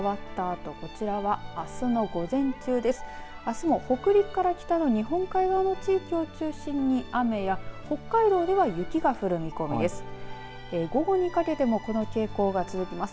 あすも北陸から北の日本海側を中心に雨や、北海道では雪が降る見込みです。